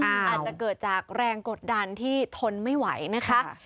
อาจจะเกิดจากแรงกดดันที่ทนไม่ไหวนะคะ